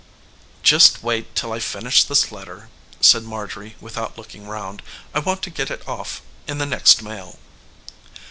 "Just wait till I finish this letter," said Marjorie without looking round. "I want to get it off in the next mail."